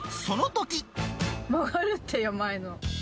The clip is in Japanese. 曲がるってよ、前の。